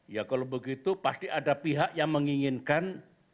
ya kalau begitu pasti ada pihak yang menginginkan